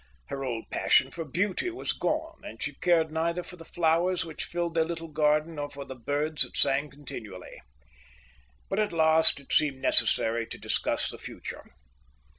Her old passion for beauty was gone, and she cared neither for the flowers which filled their little garden nor for the birds that sang continually. But at last it seemed necessary to discuss the future.